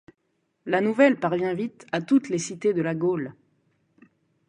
La nouvelle parvient vite à toutes les cités de la Gaule.